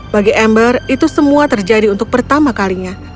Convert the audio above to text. bagi ember itu semua terjadi untuk pertama kalinya